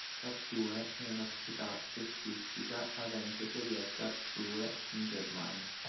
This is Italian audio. Karlsruhe è una società cestistica avente sede a Karlsruhe, in Germania.